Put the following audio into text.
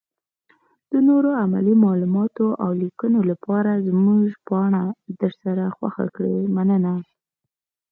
-دنورو علمي معلوماتو اولیکنو لپاره زمونږ پاڼه درسره خوښه کړئ مننه.